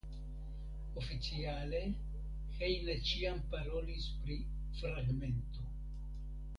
Oficiale Heine ĉiam parolis pri "fragmento".